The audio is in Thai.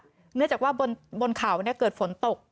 เนื่องจากว่าบนเขาเกิดฝนตก